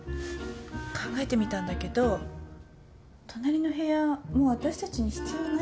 考えてみたんだけど隣の部屋もう私たちに必要ないと思うの。